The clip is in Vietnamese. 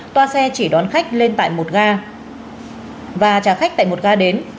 toa xe chỉ đón khách lên tại một ga và trả khách tại một ga đến